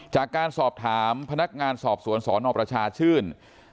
จากการสอบถามพนักงานสอบสวนสนประชาชื่น